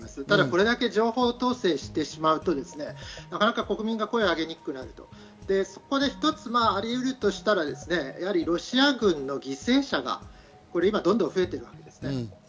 ただこれだけ情報統制してしまうと、なかなか国民が声を上げにくく、そこで一つありうるとしたら、ロシア軍の犠牲者がどんどん増えてるわけですね。